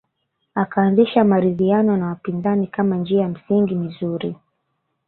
Akaanzisha maridhiano na wapinzani kama njia ya msingi mizuri